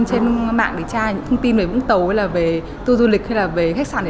trên mạng để tra những thông tin về vũng tàu hay là về tour du lịch hay là về khách sạn này